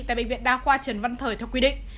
tại bệnh viện đa khoa trần văn thời theo quy định